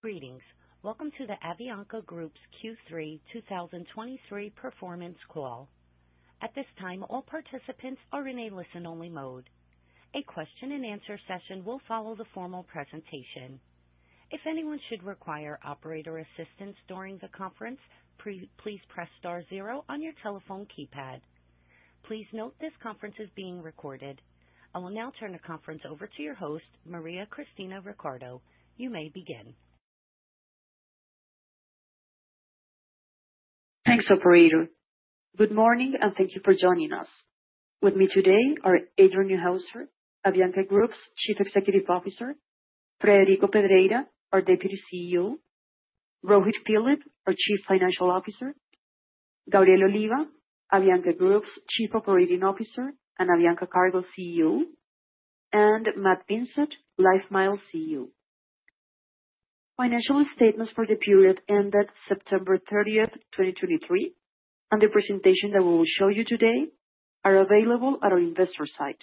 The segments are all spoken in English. Greetings. Welcome to the Avianca Group's Q3 2023 performance call. At this time, all participants are in a listen-only mode. A question-and-answer session will follow the formal presentation. If anyone should require operator assistance during the conference, please press star zero on your telephone keypad. Please note this conference is being recorded. I will now turn the conference over to your host, Maria Cristina Ricardo. You may begin. Thanks, operator. Good morning, and thank you for joining us. With me today are Adrián Neuhauser, Avianca Group's Chief Executive Officer; Frederico Pedreira, our Deputy CEO; Rohit Philip, our Chief Financial Officer; Gabriel Oliva, Avianca Group's Chief Operating Officer and Avianca Cargo CEO; and Matt Vincett, LifeMiles CEO. Financial statements for the period ended September 30, 2023, and the presentation that we will show you today are available at our investor site.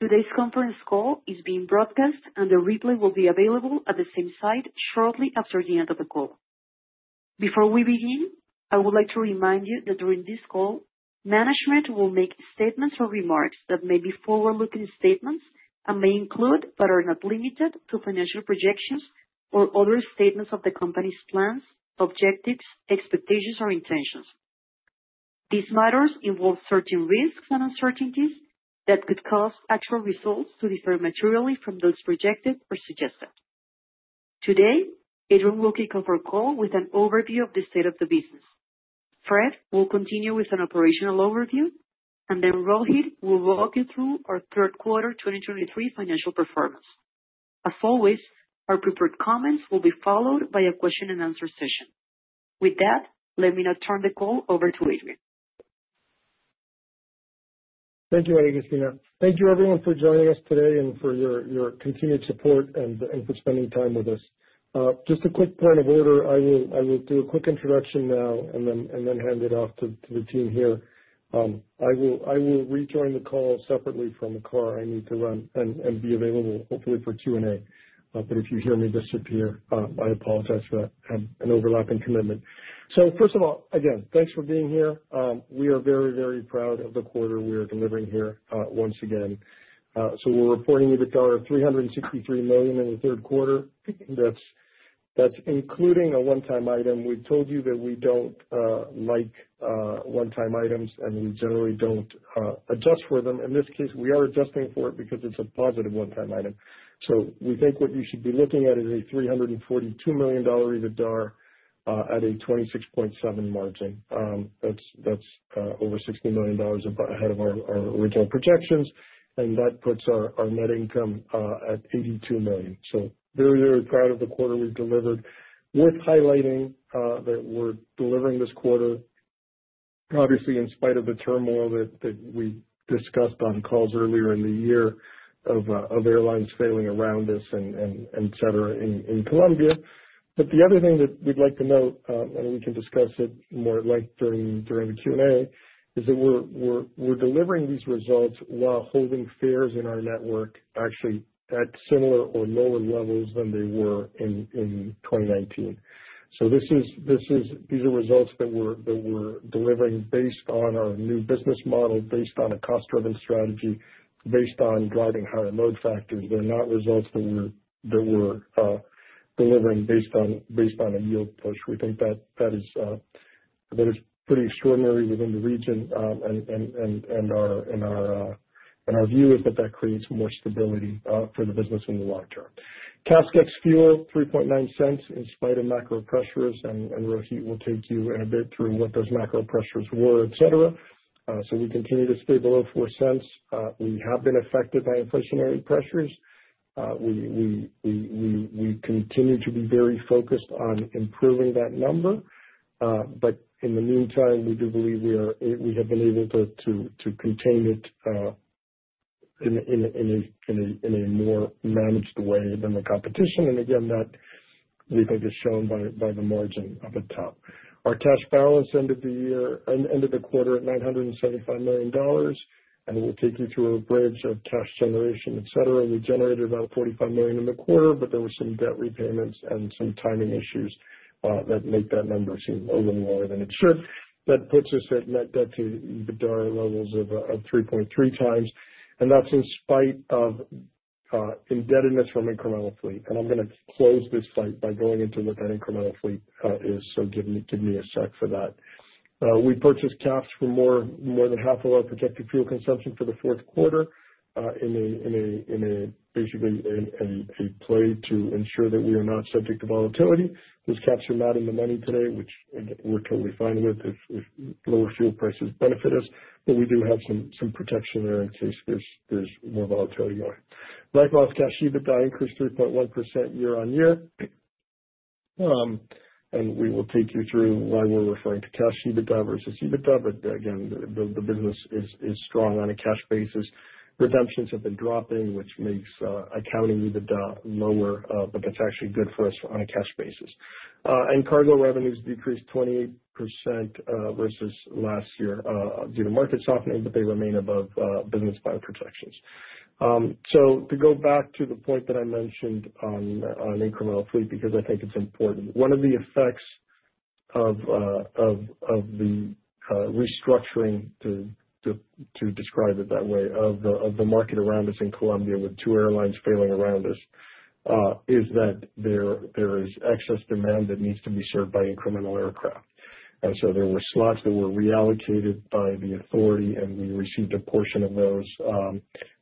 Today's conference call is being broadcast, and the replay will be available at the same site shortly after the end of the call. Before we begin, I would like to remind you that during this call, management will make statements or remarks that may be forward-looking statements and may include, but are not limited to, financial projections or other statements of the company's plans, objectives, expectations, or intentions. These matters involve certain risks and uncertainties that could cause actual results to differ materially from those projected or suggested. Today, Adrián will kick off our call with an overview of the state of the business. Fred will continue with an operational overview, and then Rohit will walk you through our third quarter 2023 financial performance. As always, our prepared comments will be followed by a question-and-answer session. With that, let me now turn the call over to Adrián. Thank you, Maria Cristina. Thank you, everyone, for joining us today and for your continued support and for spending time with us. Just a quick point of order. I will do a quick introduction now and then hand it off to the team here. I will rejoin the call separately from the car I need to run, and be available, hopefully for Q&A. But if you hear me disappear, I apologize for that. I have an overlapping commitment. So first of all, again, thanks for being here. We are very, very proud of the quarter we are delivering here, once again. So we're reporting EBITDA of $363 million in the third quarter. That's including a one-time item. We've told you that we don't like one-time items, and we generally don't adjust for them. In this case, we are adjusting for it because it's a positive one-time item. So we think what you should be looking at is a $342 million EBITDA at a 26.7% margin. That's over $60 million above ahead of our original projections, and that puts our net income at $82 million. So very, very proud of the quarter we've delivered. Worth highlighting that we're delivering this quarter, obviously, in spite of the turmoil that we discussed on calls earlier in the year of airlines failing around us and et cetera in Colombia. But the other thing that we'd like to note, and we can discuss it more at length during the Q&A, is that we're delivering these results while holding fares in our network actually at similar or lower levels than they were in 2019. So this is—these are results that we're delivering based on our new business model, based on a cost-driven strategy, based on driving higher load factors. They're not results that we're delivering based on a yield push. We think that that is pretty extraordinary within the region. And our view is that that creates more stability for the business in the long term. CASK ex-fuel, $0.039 in spite of macro pressures, and Rohit will take you in a bit through what those macro pressures were, et cetera. So we continue to stay below $0.04. We have been affected by inflationary pressures. We continue to be very focused on improving that number. But in the meantime, we do believe we are, we have been able to contain it in a more managed way than the competition. And again, that we think is shown by the margin at the top. Our cash balance ended the quarter at $975 million, and we'll take you through a bridge of cash generation, et cetera. We generated about $45 million in the quarter, but there were some debt repayments and some timing issues that make that number seem a little lower than it should. That puts us at Net Debt to EBITDA levels of 3.3x, and that's in spite of indebtedness from incremental fleet. I'm going to close this point by going into what that incremental fleet is. So give me a sec for that. We purchased caps for more than half of our projected fuel consumption for the fourth quarter in a basically a play to ensure that we are not subject to volatility. Those caps are not in the money today, which we're totally fine with, if lower fuel prices benefit us, but we do have some protection there in case there's more volatility. Like, cash EBITDA increased 3.1% year-on-year. And we will take you through why we're referring to cash EBITDA versus EBITDA. But again, the business is strong on a cash basis. Redemptions have been dropping, which makes accounting EBITDA lower, but that's actually good for us on a cash basis. And cargo revenues decreased 28% versus last year due to market softening, but they remain above business plan projections. So to go back to the point that I mentioned on incremental fleet, because I think it's important. One of the effects of the restructuring to describe it that way, of the market around us in Colombia, with two airlines failing around us, is that there is excess demand that needs to be served by incremental aircraft. And so there were slots that were reallocated by the authority, and we received a portion of those.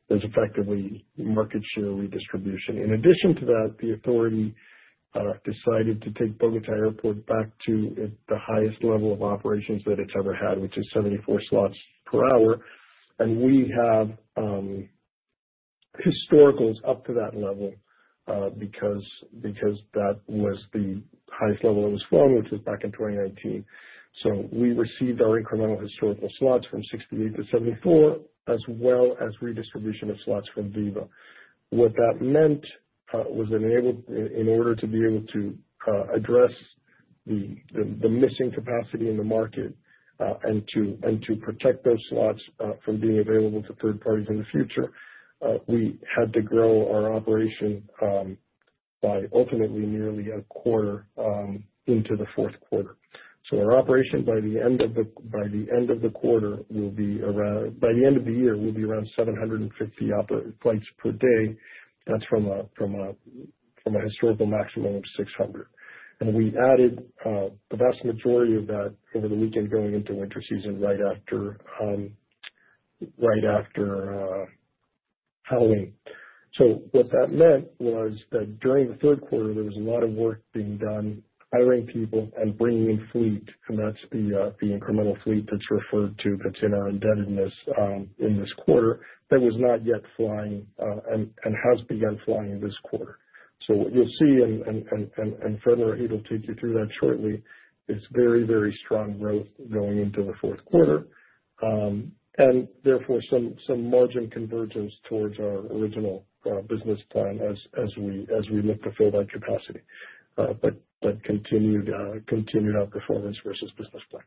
It was effectively market share redistribution. In addition to that, the authority decided to take Bogotá Airport back to the highest level of operations that it's ever had, which is 74 slots per hour. And we have historicals up to that level, because that was the highest level it was flying, which was back in 2019. So we received our incremental historical slots from 68 to 74, as well as redistribution of slots from Viva. What that meant was enabled in order to be able to address the missing capacity in the market, and to protect those slots from being available to third parties in the future, we had to grow our operation by ultimately nearly a quarter into the fourth quarter. So our operation by the end of the quarter will be around. By the end of the year, will be around 750 operating flights per day. That's from a historical maximum of 600. And we added the vast majority of that over the weekend going into winter season, right after Halloween. So what that meant was that during the third quarter, there was a lot of work being done, hiring people and bringing in fleet, and that's the incremental fleet that's referred to, that's in our indebtedness in this quarter, that was not yet flying, and has begun flying this quarter. So what you'll see, and Fred is here, he will take you through that shortly, is very, very strong growth going into the fourth quarter. And therefore, some margin convergence towards our original business plan as we look to fill that capacity. But continued outperformance versus business plan.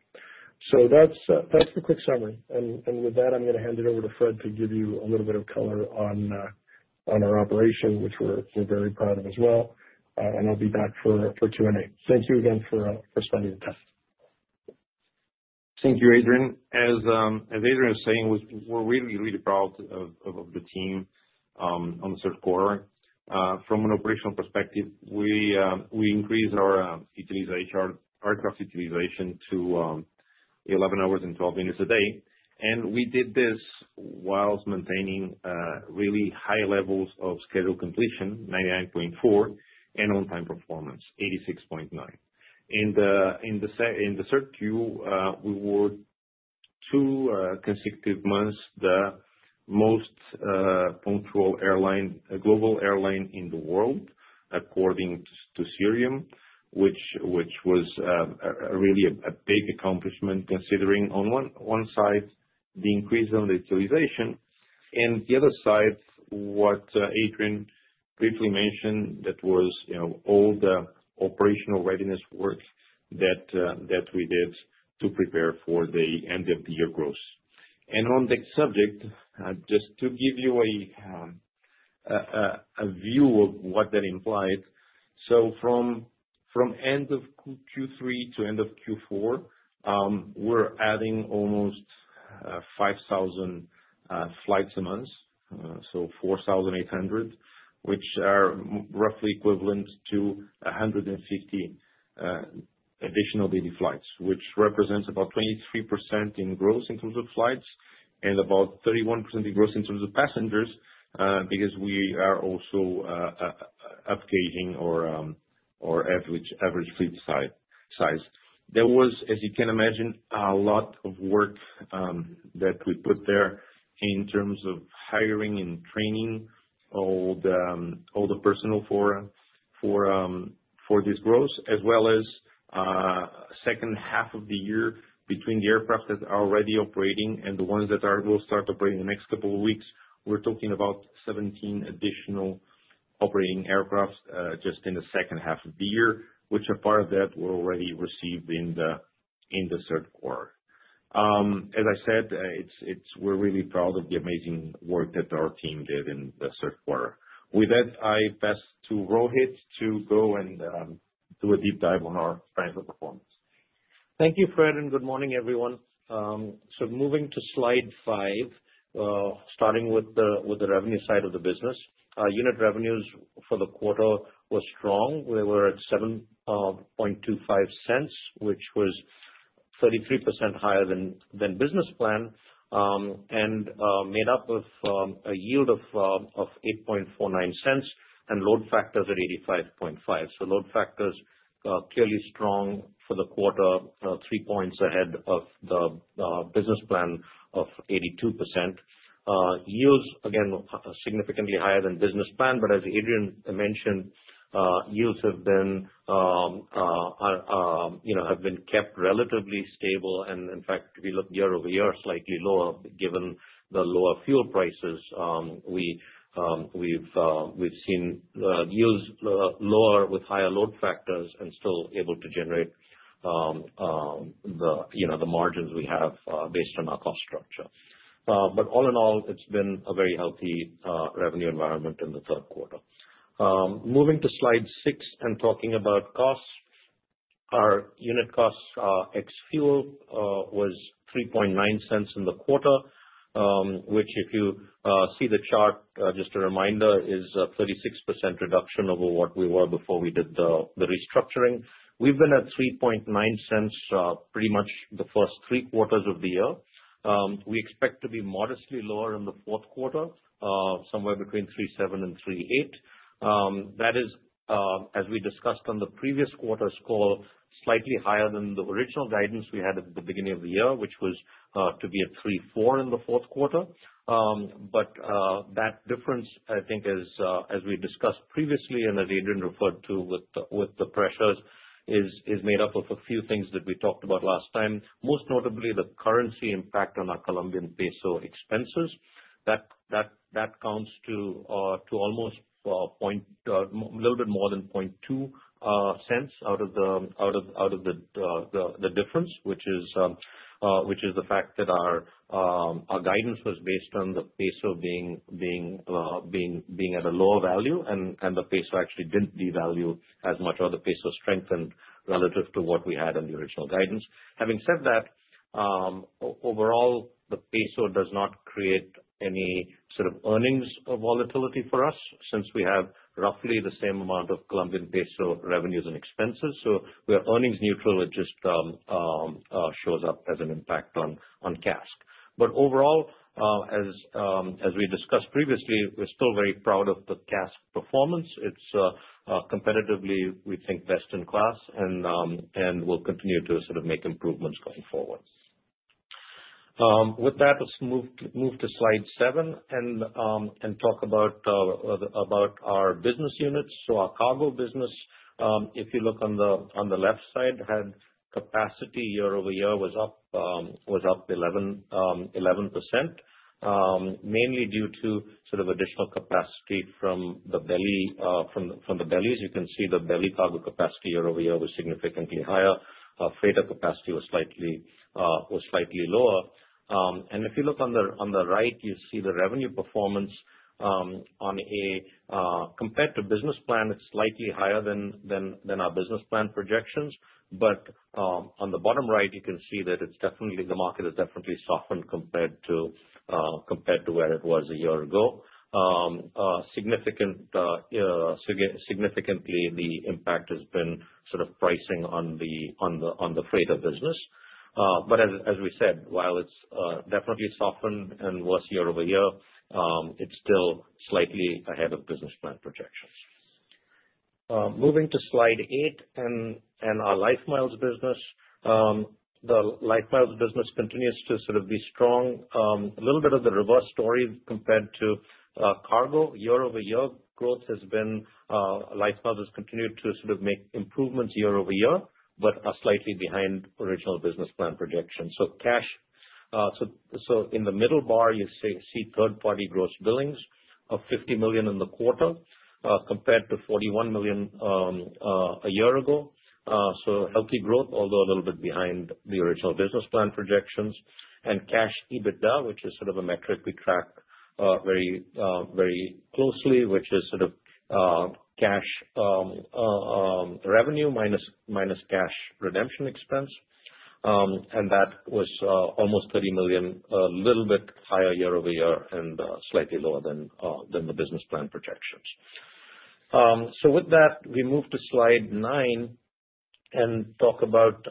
So that's the quick summary. With that, I'm gonna hand it over to Fred to give you a little bit of color on our operation, which we're very proud of as well. And I'll be back for Q&A. Thank you again for spending the time. Thank you, Adrián. As Adrián is saying, we're really proud of the team on the third quarter. From an operational perspective, we increased our utilization, our aircraft utilization to 11 hours and 12 minutes a day. We did this while maintaining really high levels of scheduled completion, 98.4%, and on-time performance, 86.9%. In the third Q, we were two consecutive months the most punctual airline, a global airline in the world, according to Cirium, which was a really big accomplishment, considering on one side the increase on the utilization, and the other side, what Adrián briefly mentioned, that was, you know, all the operational readiness work that we did to prepare for the end-of-the-year growth. And on that subject, just to give you a view of what that implied: So from end of Q3 to end of Q4, we're adding almost 5,000 flights a month. So 4,800, which are roughly equivalent to 150 additional daily flights, which represents about 23% in growth in terms of flights, and about 31% in growth in terms of passengers, because we are also upgauging our average fleet size. There was, as you can imagine, a lot of work that we put there in terms of hiring and training all the personnel for this growth, as well as second half of the year between the aircraft that are already operating and the ones that will start operating in the next couple of weeks. We're talking about 17 additional operating aircraft just in the second half of the year, which a part of that we're already received in the third quarter. As I said, we're really proud of the amazing work that our team did in the third quarter. With that, I pass to Rohit to go and do a deep dive on our financial performance. Thank you, Fred, and good morning, everyone. So moving to slide five, starting with the revenue side of the business. Our unit revenues for the quarter was strong. We were at $0.0725, which was 33% higher than business plan, and made up of a yield of $0.0849 and load factors at 85.5. So load factors clearly strong for the quarter, 3 points ahead of the business plan of 82%. Yields, again, significantly higher than business plan, but as Adrián mentioned, yields have been, are, you know, have been kept relatively stable, and in fact, if we look year-over-year, slightly lower, given the lower fuel prices. We've seen yields lower with higher load factors and still able to generate the, you know, the margins we have based on our cost structure. But all in all, it's been a very healthy revenue environment in the third quarter. Moving to slide six and talking about costs. Our unit costs ex fuel was $0.039 in the quarter, which if you see the chart, just a reminder, is a 36% reduction over what we were before we did the restructuring. We've been at $0.039 pretty much the first three quarters of the year. We expect to be modestly lower in the fourth quarter, somewhere between $0.037 and $0.038. That is, as we discussed on the previous quarter's call, slightly higher than the original guidance we had at the beginning of the year, which was to be at $0.034 in the fourth quarter. But that difference, I think, is as we discussed previously and that Adrián referred to with the pressures, is made up of a few things that we talked about last time, most notably the currency impact on our Colombian peso expenses. That counts to almost a little bit more than $0.002 out of the difference, which is the fact that our guidance was based on the peso being at a lower value, and the peso actually didn't devalue as much, or the peso strengthened relative to what we had in the original guidance. Having said that, overall, the peso does not create any sort of earnings volatility for us since we have roughly the same amount of Colombian peso revenues and expenses, so we are earnings neutral. It just shows up as an impact on CASK. But overall, as we discussed previously, we're still very proud of the CASK performance. It's competitively, we think, best in class, and we'll continue to sort of make improvements going forward. With that, let's move to slide seven, and talk about our business units. So our cargo business, if you look on the left side, had capacity year-over-year was up 11%, mainly due to sort of additional capacity from the belly from the bellies. You can see the belly cargo capacity year over year was significantly higher. Freighter capacity was slightly lower. And if you look on the right, you see the revenue performance, compared to business plan, it's slightly higher than our business plan projections. But on the bottom right, you can see that it's definitely, the market has definitely softened compared to where it was a year ago. Significantly, the impact has been sort of pricing on the freighter business. But as we said, while it's definitely softened and worse year over year, it's still slightly ahead of business plan projections. Moving to slide eight and our LifeMiles business. The LifeMiles business continues to sort of be strong. A little bit of the reverse story compared to cargo. Year-over-year, growth has been, LifeMiles has continued to sort of make improvements year-over-year, but are slightly behind original business plan projections. So cash, so in the middle bar, you see third-party gross billings of $50 million in the quarter, compared to $41 million a year ago. So healthy growth, although a little bit behind the original business plan projections. And cash EBITDA, which is sort of a metric we track very closely, which is sort of cash revenue minus cash redemption expense. And that was almost $30 million, a little bit higher year-over-year and slightly lower than the business plan projections. So with that, we move to slide nine and talk about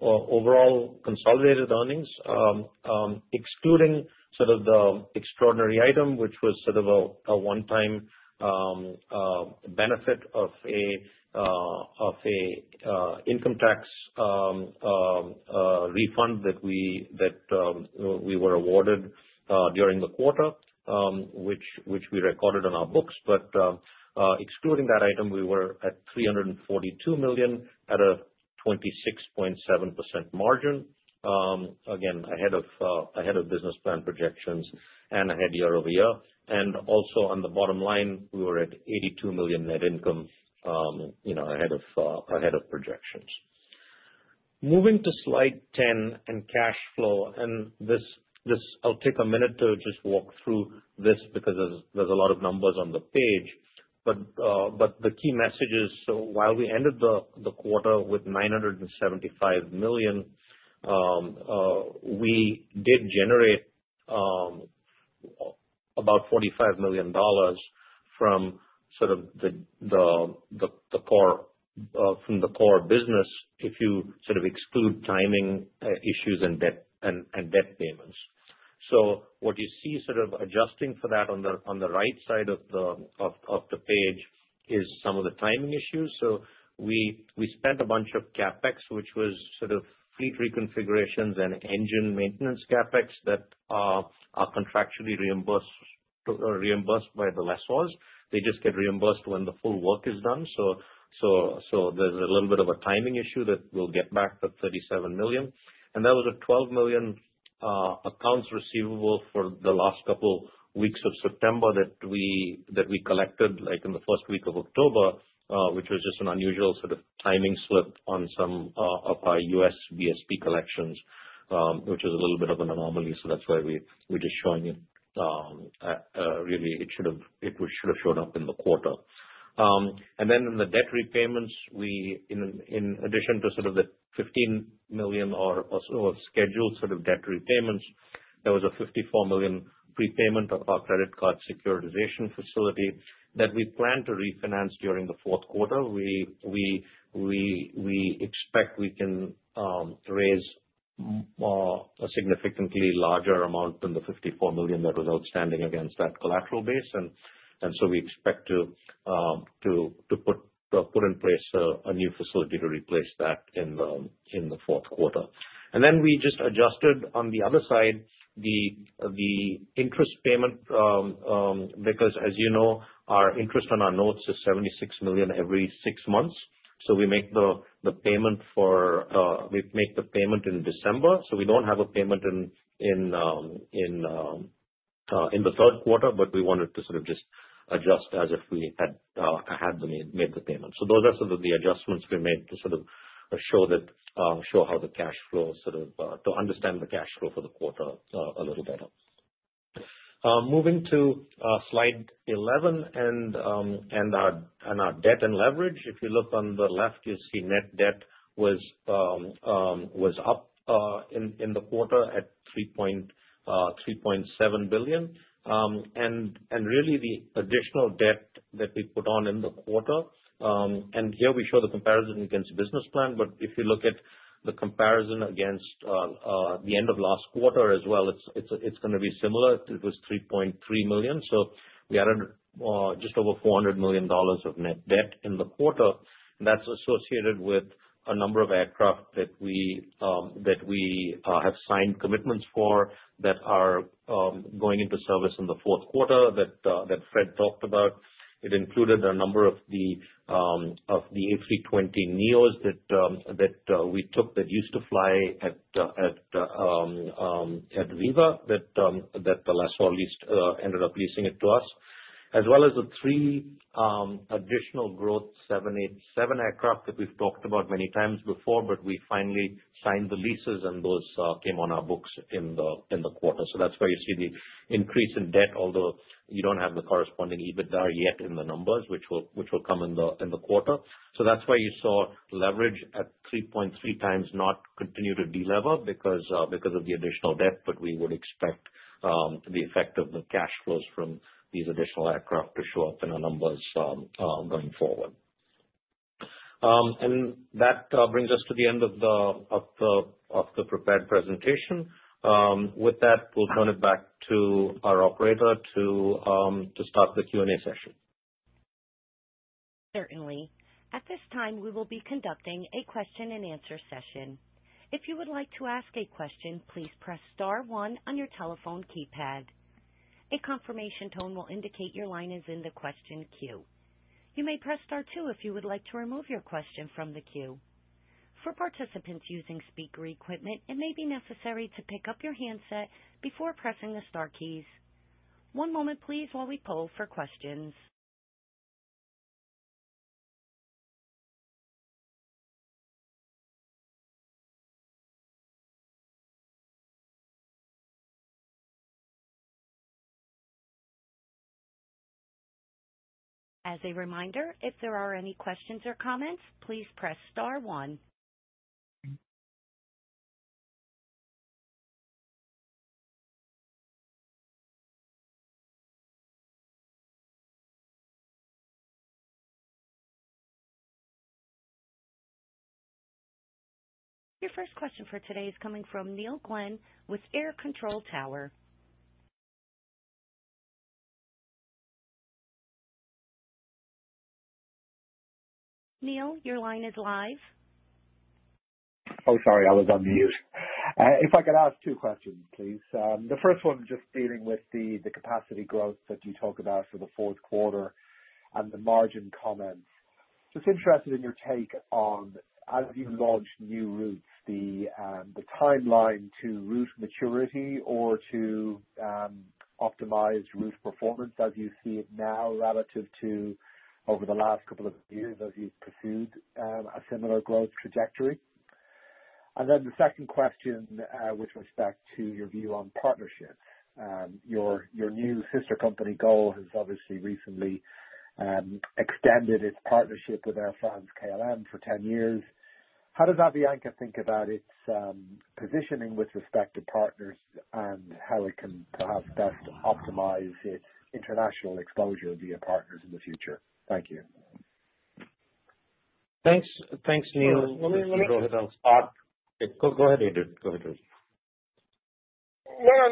overall consolidated earnings. Excluding sort of the extraordinary item, which was sort of a one-time benefit of an income tax refund that we were awarded during the quarter, which we recorded on our books. But excluding that item, we were at $342 million at a 26.7% margin. Again, ahead of business plan projections and ahead year-over-year. And also on the bottom line, we were at $82 million net income, you know, ahead of projections. Moving to slide 10 and cash flow. And this, this... I'll take a minute to just walk through this because there's a lot of numbers on the page. But the key message is, so while we ended the quarter with $975 million, we did generate about $45 million from sort of the core business, if you sort of exclude timing issues and debt and debt payments. So what you see, sort of adjusting for that on the right side of the page, is some of the timing issues. So we spent a bunch of CapEx, which was sort of fleet reconfigurations and engine maintenance CapEx that are contractually reimbursed by the lessors. They just get reimbursed when the full work is done. There's a little bit of a timing issue that we'll get back the $37 million. And there was a $12 million accounts receivable for the last couple weeks of September that we collected, like, in the first week of October, which was just an unusual sort of timing slip on some of our U.S. BSP collections, which is a little bit of an anomaly. So that's why we're just showing it. Really, it should have showed up in the quarter. And then in the debt repayments, we, in addition to sort of the $15 million or so of scheduled sort of debt repayments, there was a $54 million prepayment of our credit card securitization facility that we plan to refinance during the fourth quarter. We expect we can raise a significantly larger amount than the $54 million that was outstanding against that collateral base. And so we expect to put in place a new facility to replace that in the fourth quarter. And then we just adjusted on the other side, the interest payment. Because as you know, our interest on our notes is $76 million every six months. So we make the payment for, we make the payment in December, so we don't have a payment in the third quarter, but we wanted to sort of just adjust as if we had had made the payment. Those are some of the adjustments we made to sort of show that, show how the cash flow sort of, to understand the cash flow for the quarter a little better. Moving to slide 11 and our debt and leverage. If you look on the left, you'll see net debt was up in the quarter at $3.7 billion. And really the additional debt that we put on in the quarter, and here we show the comparison against business plan. But if you look at the comparison against the end of last quarter as well, it's gonna be similar. It was $3.3 million. So we added just over $400 million of net debt in the quarter. That's associated with a number of aircraft that we have signed commitments for, that are going into service in the fourth quarter, that Fred talked about. It included a number of the A320neos that we took, that used to fly at Viva that the lessor at least ended up leasing it to us. As well as the three additional growth 787 aircraft that we've talked about many times before, but we finally signed the leases and those came on our books in the quarter. So that's why you see the increase in debt, although you don't have the corresponding EBITDA yet in the numbers, which will come in the quarter. So that's why you saw leverage at 3.3x, not continue to delever because, because of the additional debt. But we would expect, the effect of the cash flows from these additional aircraft to show up in our numbers, going forward. And that, brings us to the end of the, of the, of the prepared presentation. With that, we'll turn it back to our operator to, to start the Q&A session. Certainly. At this time, we will be conducting a question-and-answer session. If you would like to ask a question, please press star one on your telephone keypad. A confirmation tone will indicate your line is in the question queue. You may press star two if you would like to remove your question from the queue. For participants using speaker equipment, it may be necessary to pick up your handset before pressing the star keys. One moment please, while we poll for questions. As a reminder, if there are any questions or comments, please press star one. Your first question for today is coming from Neil Glynn with AIR Control Tower. Neil, your line is live. Oh, sorry, I was on mute. If I could ask two questions, please. The first one just dealing with the capacity growth that you talk about for the fourth quarter and the margin comments. Just interested in your take on, as you launch new routes, the timeline to route maturity or to optimize route performance as you see it now, relative to over the last couple of years as you've pursued a similar growth trajectory. And then the second question, with respect to your view on partnerships. Your new sister company, GOL, has obviously recently extended its partnership with Air France-KLM for 10 years. How does avianca think about its positioning with respect to partners and how it can perhaps best optimize its international exposure via partners in the future? Thank you. Thanks. Thanks, Neil. Let me- Go ahead, I'll start. Go, go ahead, Adrián. Go ahead, Adrián.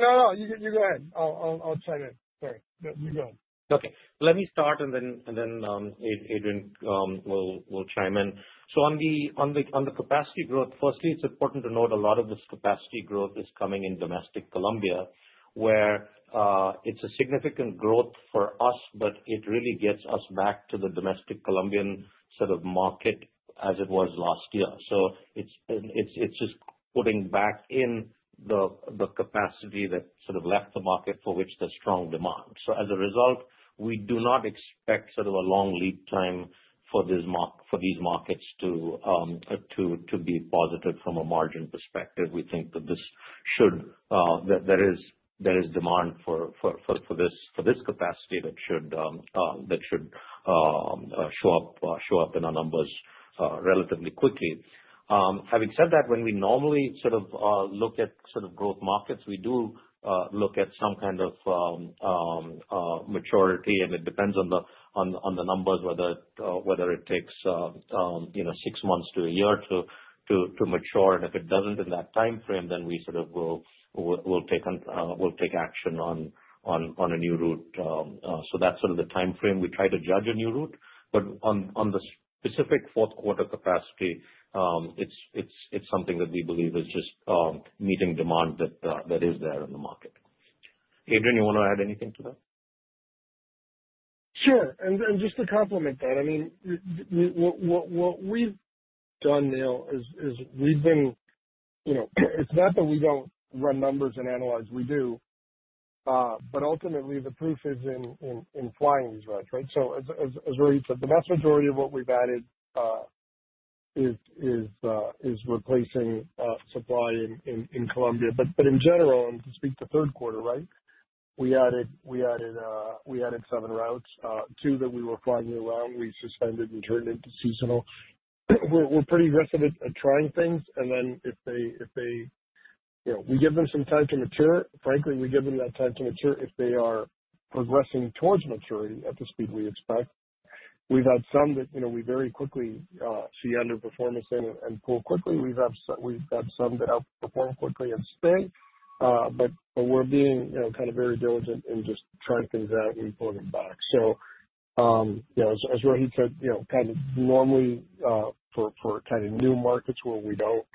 No, you go ahead. I'll chime in. Sorry. Yes, you go ahead. Okay. Let me start, and then Adrián will chime in. So on the capacity growth, firstly, it's important to note a lot of this capacity growth is coming in domestic Colombia, where it's a significant growth for us, but it really gets us back to the domestic Colombian sort of market as it was last year. So it's just putting back in the capacity that sort of left the market for which there's strong demand. So as a result, we do not expect sort of a long lead time for these markets to be positive from a margin perspective. We think that this- There is demand for this capacity that should show up in our numbers relatively quickly. Having said that, when we normally sort of look at sort of growth markets, we do look at some kind of maturity, and it depends on the numbers whether it takes you know six months to a year to mature. And if it doesn't in that timeframe, then we sort of will take action on a new route. So that's sort of the timeframe we try to judge a new route. But on the specific fourth quarter capacity, it's something that we believe is just meeting demand that is there in the market. Adrián, you wanna add anything to that? Sure. And just to complement that, I mean, what we've done, Neil, is we've been, you know, it's not that we don't run numbers and analyze, we do. But ultimately the proof is in flying these routes, right? So as Rohit said, the vast majority of what we've added is replacing supply in Colombia. But in general, and to speak to third quarter, right, we added seven routes, two that we were flying around, we suspended and turned into seasonal. We're pretty aggressive at trying things, and then if they... You know, we give them some time to mature. Frankly, we give them that time to mature if they are progressing towards maturity at the speed we expect. We've had some that, you know, we very quickly see underperformance in and pull quickly. We've had some that outperform quickly and stay, but we're being, you know, kind of very diligent in just trying things out and pulling them back. So, you know, as Rohit said, you know, kind of normally, for kind of new markets where we don't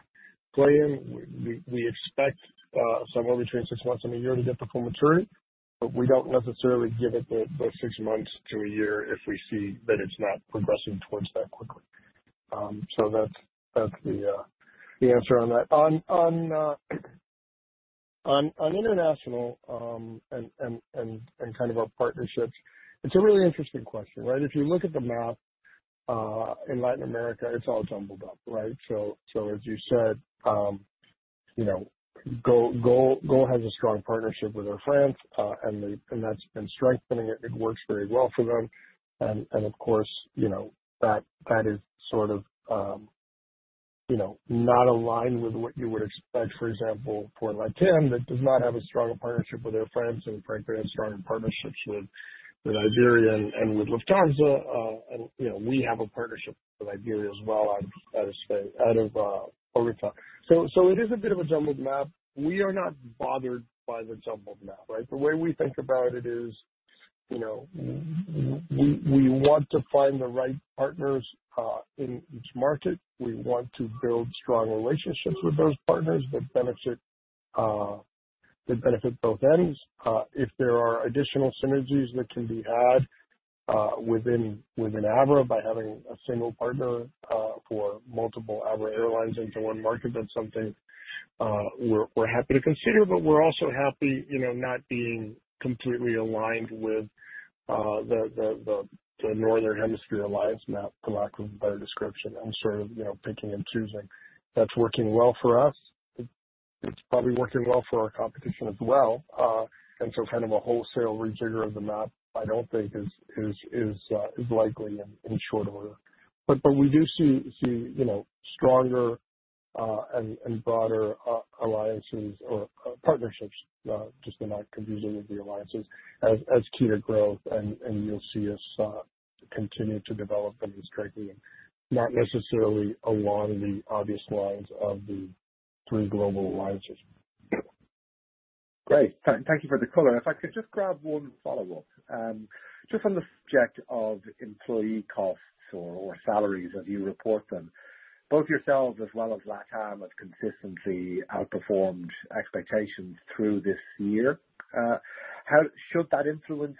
play in, we expect somewhere between six months and a year to get to full maturity, but we don't necessarily give it the six months to a year if we see that it's not progressing towards that quickly. So that's the answer on that. On international and kind of our partnerships, it's a really interesting question, right? If you look at the map, in Latin America, it's all jumbled up, right? So, as you said, you know, GOL has a strong partnership with Air France, and that's been strengthening it. It works very well for them. And, of course, you know, that is sort of, you know, not aligned with what you would expect, for example, for LATAM, that does not have a strong partnership with Air France, and frankly, have stronger partnerships with Iberia and with Lufthansa. And, you know, we have a partnership with Iberia as well, out of Spain, out of, over time. So, it is a bit of a jumbled map. We are not bothered by the jumbled map, right? The way we think about it is, you know, we want to find the right partners in each market. We want to build strong relationships with those partners that benefit both ends. If there are additional synergies that can be added within Avianca by having a single partner for multiple Avianca Airlines into one market, that's something we're happy to consider, but we're also happy, you know, not being completely aligned with the northern hemisphere alliance map, for lack of a better description, and sort of, you know, picking and choosing. That's working well for us. It's probably working well for our competition as well. So kind of a wholesale rejigger of the map, I don't think is likely in short order. But we do see, you know, stronger and broader alliances or partnerships, just to not confuse it with the alliances, as key to growth, and you'll see us continue to develop them drastically and not necessarily along the obvious lines of the three global alliances. Great. Thank you for the color. If I could just grab one follow-up, just on the subject of employee costs or salaries, as you report them. Both yourselves as well as LATAM have consistently outperformed expectations through this year. How should that influence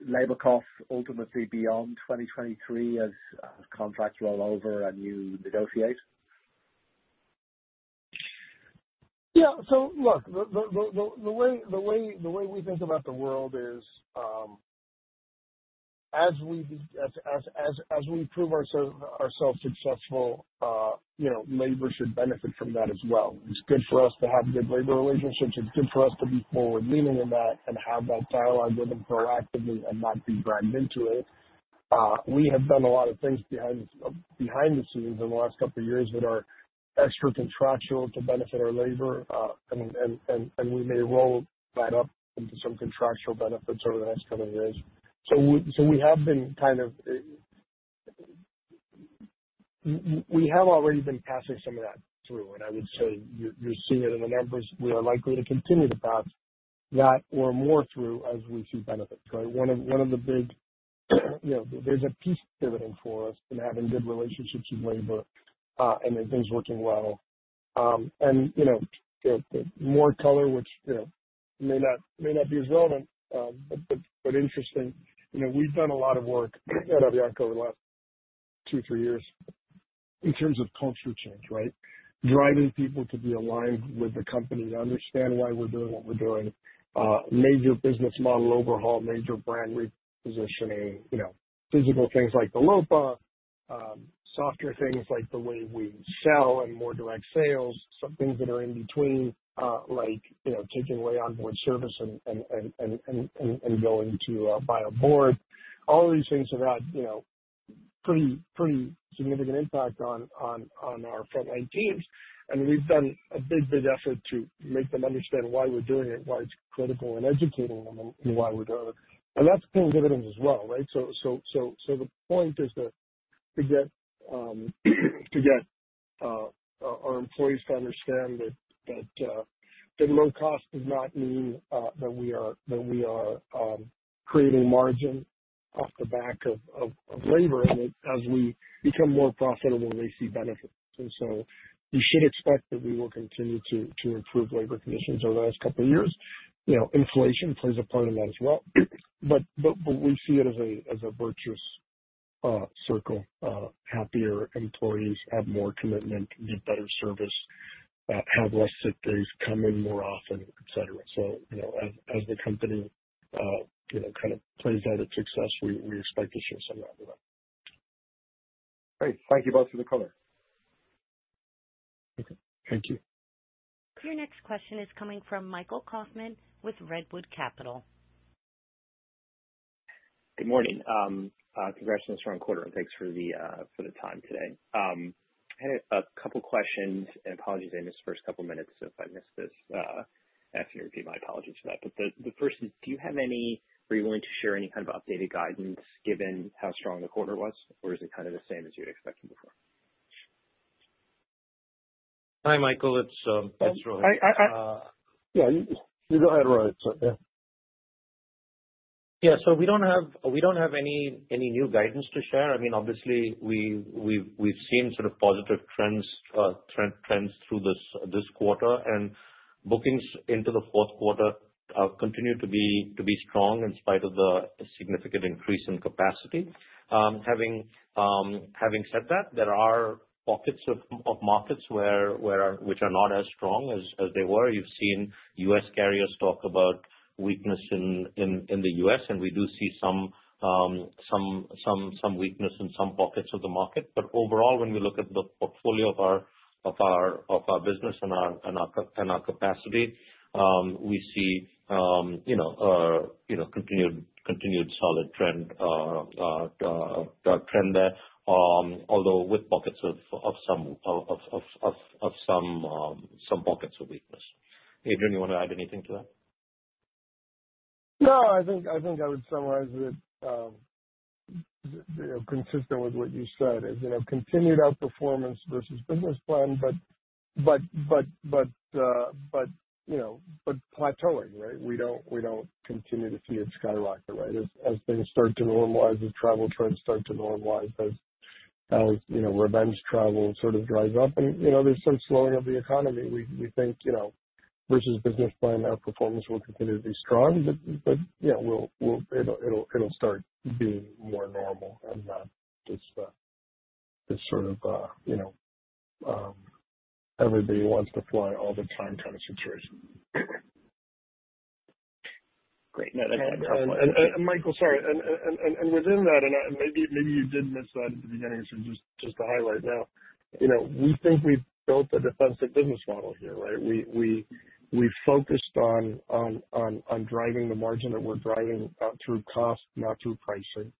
labor costs ultimately beyond 2023 as contracts roll over and you negotiate? Yeah. So look, the way we think about the world is, as we prove ourselves successful, you know, labor should benefit from that as well. It's good for us to have good labor relationships. It's good for us to be forward-leaning in that and have that dialogue with them proactively and not be dragged into it. We have done a lot of things behind the scenes in the last couple of years that are extra contractual to benefit our labor, and we may roll that up into some contractual benefits over the next couple of years. So we have been kind of... We have already been passing some of that through, and I would say you're seeing it in the numbers. We are likely to continue to pass that or more through as we see benefits, right? One of the big, you know, there's a piece pivoting for us in having good relationships with labor, and things working well. And, you know, the more color which, you know, may not be relevant, but interesting, you know, we've done a lot of work at Avianca over the last two, three years in terms of culture change, right? Driving people to be aligned with the company, to understand why we're doing what we're doing. Major business model overhaul, major brand repositioning, you know, physical things like the LOPA. Softer things like the way we sell and more direct sales, some things that are in between, like, you know, taking away onboard service and going to buy onboard. All of these things have had, you know, pretty, pretty significant impact on our frontline teams. And we've done a big, big effort to make them understand why we're doing it, why it's critical, and educating them on why we're doing it. And that's paying dividends as well, right? So the point is that to get our employees to understand that low cost does not mean that we are creating margin off the back of labor, and that as we become more profitable, they see benefits. So you should expect that we will continue to improve labor conditions over the last couple of years. You know, inflation plays a part in that as well. But we see it as a virtuous circle. Happier employees have more commitment, give better service, have less sick days, come in more often, et cetera. So, you know, as the company kind of plays out its success, we expect to share some of that with them. Great. Thank you both for the color. Okay. Thank you. Your next question is coming from Michael Kaufman with Redwood Capital. Good morning. Congratulations on the quarter, and thanks for the time today. I had a couple questions, and apologies if I missed the first couple minutes. So if I missed this, ask me to repeat, my apologies for that. But the first is, do you have any... Are you willing to share any kind of updated guidance, given how strong the quarter was, or is it kind of the same as you had expected before? Hi, Michael. It's, it's Rohit. Yeah, you go ahead, Rohit. Yeah. Yeah. So we don't have any new guidance to share. I mean, obviously, we've seen sort of positive trends through this quarter, and bookings into the fourth quarter continue to be strong in spite of the significant increase in capacity. Having said that, there are pockets of markets which are not as strong as they were. You've seen U.S. carriers talk about weakness in the U.S., and we do see some weakness in some pockets of the market. But overall, when we look at the portfolio of our business and our capacity, we see, you know, continued solid trend there, although with pockets of some weakness. Adrián, you want to add anything to that? No, I think, I think I would summarize it, you know, consistent with what you said is, you know, continued outperformance versus business plan, but, you know, but plateauing, right? We don't continue to see it skyrocket, right? As things start to normalize, as travel trends start to normalize, as, you know, revenge travel sort of dries up and, you know, there's some slowing of the economy. We think, you know, versus business plan, our performance will continue to be strong, but, you know, we'll... it'll start being more normal and not this, this sort of, you know, everybody wants to fly all the time, kind of, situation. Great. No, that's- Michael, sorry. Within that, and maybe you did miss that at the beginning, so just to highlight now, you know, we think we've built a defensive business model here, right? We focused on driving the margin that we're driving through cost, not through pricing.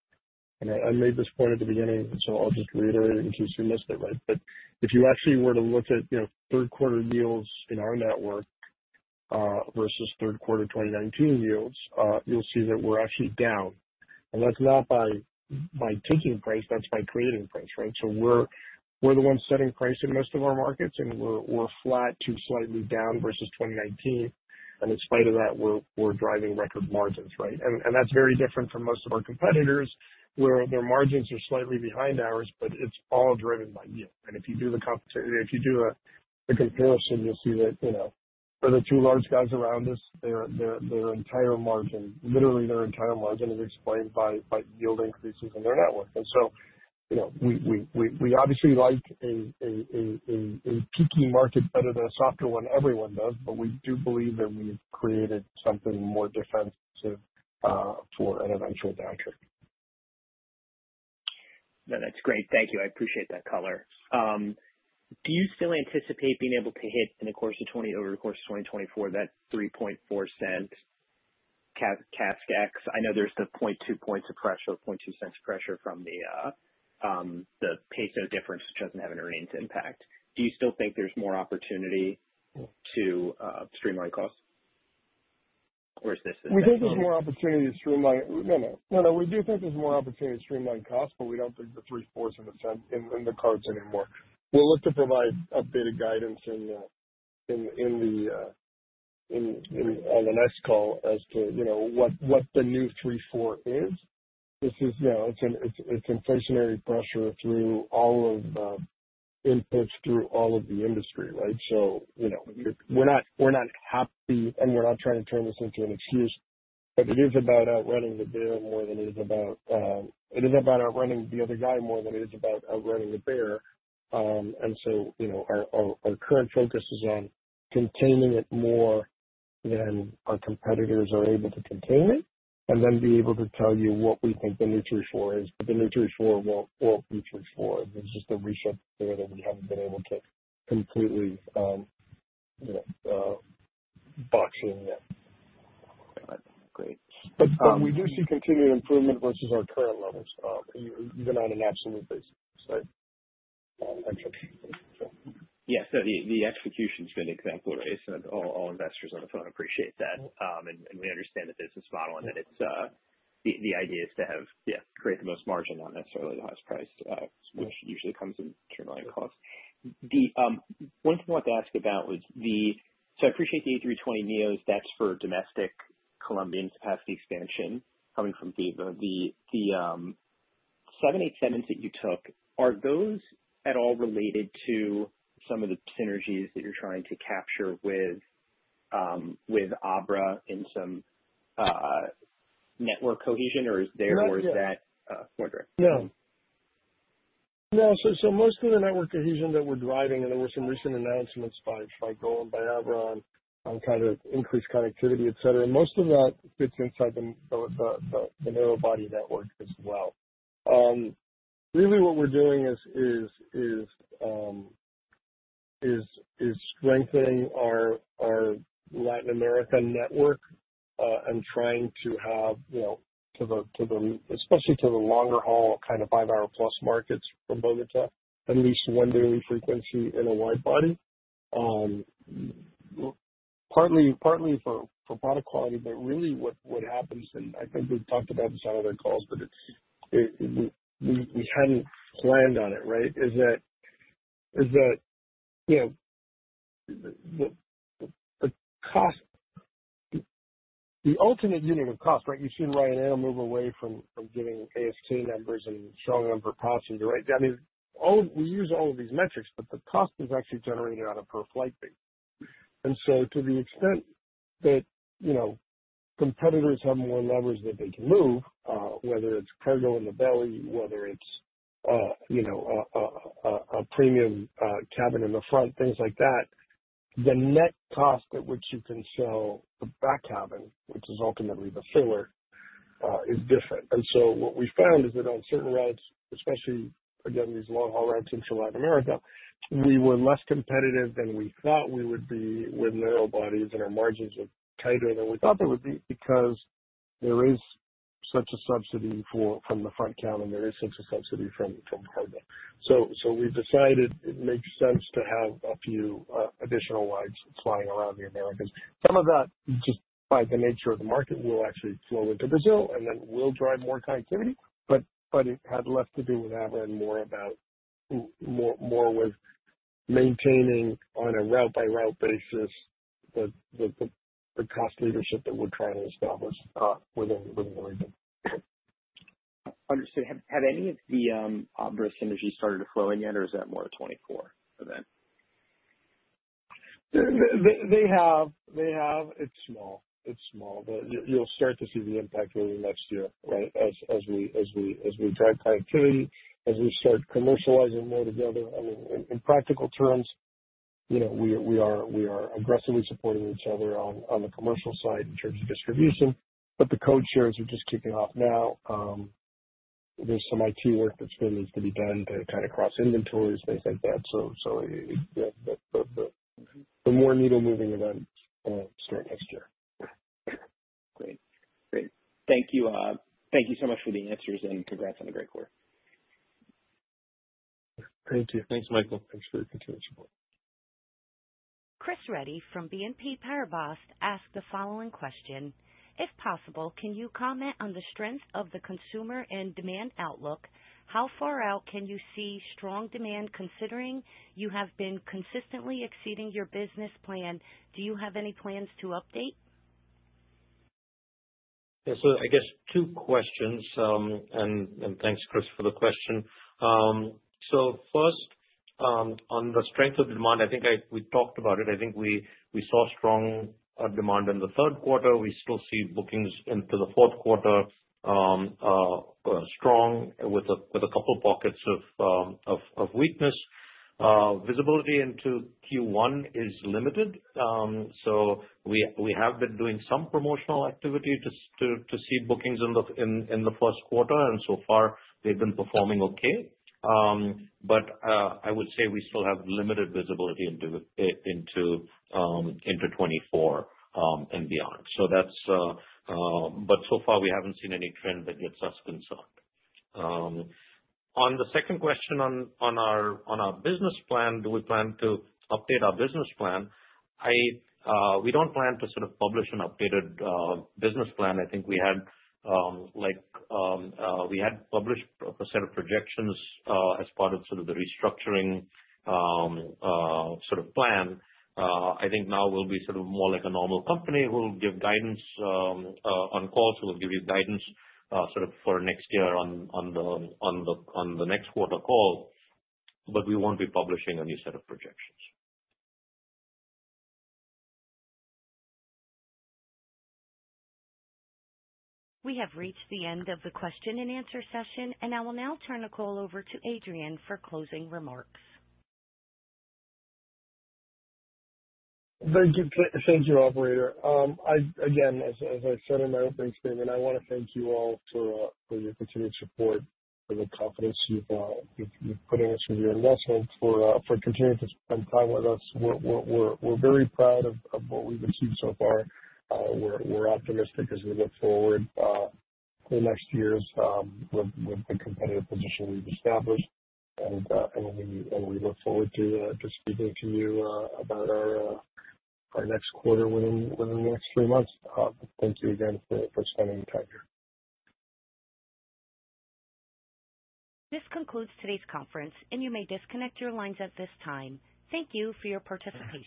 And I made this point at the beginning, so I'll just reiterate it in case you missed it, right? But if you actually were to look at, you know, third quarter yields in our network versus third quarter 2019 yields, you'll see that we're actually down. And that's not by taking price, that's by creating price, right? So we're the ones setting price in most of our markets, and we're flat to slightly down versus 2019, and in spite of that, we're driving record margins, right? And that's very different from most of our competitors, where their margins are slightly behind ours, but it's all driven by yield. And if you do the comparison, you'll see that, you know, for the two large guys around us, their entire margin, literally their entire margin is explained by yield increases in their network. And so, you know, we obviously like a peaky market better than a softer one, everyone does, but we do believe that we've created something more defensive for an eventual downturn. No, that's great. Thank you. I appreciate that color. Do you still anticipate being able to hit over the course of 2024, that 3.4-cent cap CASK ex? I know there's the 0.2 points of pressure or 0.2 cents pressure from the, the peso difference, which doesn't have an earnings impact. Do you still think there's more opportunity to, streamline costs? Or is this- We think there's more opportunity to streamline. No, no. No, no, we do think there's more opportunity to streamline costs, but we don't think the 3.4 of a cent is in the cards anymore. We'll look to provide updated guidance on the next call as to, you know, what the new 3.4 is. This is, you know, it's inflationary pressure through all of the inputs, through all of the industry, right? You know, we're not happy, and we're not trying to turn this into an excuse, but it is about outrunning the other guy more than it is about outrunning the bear. You know, our current focus is on containing it more than our competitors are able to contain it, and then be able to tell you what we think the new 3.4 is. But the new 3.4 won't all be 3.4. There's just a reset there that we haven't been able to completely, you know, box in yet. Great. But, we do see continued improvement versus our current levels, even on an absolute basis, right? Yes. So the execution's been exemplary, so all investors on the phone appreciate that. And we understand the business model, and that it's... The idea is to have, yeah, create the most margin, not necessarily the highest price, which usually comes in terms of cost. The one thing I wanted to ask about was the, so I appreciate the A320neos, that's for domestic Colombian capacity expansion coming from Viva. The 787s that you took, are those at all related to some of the synergies that you're trying to capture with Abra in some network cohesion, or is there- Not yet. Or is that, wondering? No. No, so most of the network cohesion that we're driving, and there were some recent announcements by GOL and by Abra on kind of increased connectivity, et cetera. Most of that fits inside the narrow-body network as well. Really what we're doing is strengthening our Latin American network and trying to have, you know, especially to the longer haul, kind of five-hour-plus markets from Bogotá, at least one daily frequency in a wide-body. Partly for product quality, but really what happens, and I think we've talked about this on other calls, but it's we hadn't planned on it, right? Is that, you know, the cost, the ultimate unit of cost, right? You've seen Ryanair move away from giving CASK numbers and showing them per passenger, right? That is, all we use all of these metrics, but the cost is actually generated on a per flight basis. And so to the extent that, you know, competitors have more levers that they can move, whether it's cargo in the belly, whether it's, you know, a premium cabin in the front, things like that, the net cost at which you can sell the back cabin, which is ultimately the filler, is different. So what we found is that on certain routes, especially again, these long-haul routes into Latin America, we were less competitive than we thought we would be with narrow bodies, and our margins were tighter than we thought they would be because there is such a subsidy from the front cabin, there is such a subsidy from cargo. So we've decided it makes sense to have a few additional wides flying around the Americas. Some of that, just by the nature of the market, will actually flow into Brazil and then will drive more connectivity. But it had less to do with ABRA and more about more with maintaining on a route by route basis, the cost leadership that we're trying to establish within the region. Understood. Have any of the Abra synergies started to flow in yet, or is that more a 2024 event? They have. It's small, but you'll start to see the impact really next year, right? As we drive connectivity, as we start commercializing more together. I mean, in practical terms, you know, we are aggressively supporting each other on the commercial side in terms of distribution, but the code shares are just kicking off now. There's some IT work that still needs to be done to kind of cross inventories, things like that. So the more needle moving events start next year. Great. Great. Thank you. Thank you so much for the answers, and congrats on a great quarter. Thank you. Thanks, Michael. Thanks for your continued support. Chris Reddy from BNP Paribas asked the following question: If possible, can you comment on the strength of the consumer and demand outlook? How far out can you see strong demand, considering you have been consistently exceeding your business plan? Do you have any plans to update? Yeah. So I guess two questions, and thanks, Chris, for the question. So first, on the strength of the demand, I think we talked about it. I think we saw strong demand in the third quarter. We still see bookings into the fourth quarter, strong with a couple pockets of weakness. Visibility into Q1 is limited. So we have been doing some promotional activity to see bookings in the first quarter, and so far they've been performing okay. But I would say we still have limited visibility into it, into 2024, and beyond. So that's, but so far, we haven't seen any trend that gets us concerned. On the second question on our business plan, do we plan to update our business plan? We don't plan to sort of publish an updated business plan. I think we had, like, we had published a set of projections as part of sort of the restructuring sort of plan. I think now we'll be sort of more like a normal company. We'll give guidance on calls. We'll give you guidance sort of for next year on the next quarter call, but we won't be publishing a new set of projections. We have reached the end of the question and answer session, and I will now turn the call over to Adrián for closing remarks. Thank you. Thank you, operator. I again, as I said in my opening statement, I want to thank you all for your continued support, for the confidence you've put in us with your investment for continuing to spend time with us. We're very proud of what we've achieved so far. We're optimistic as we look forward to the next years with the competitive position we've established. We look forward to speaking to you about our next quarter within the next three months. Thank you again for spending the time here. This concludes today's conference, and you may disconnect your lines at this time. Thank you for your participation.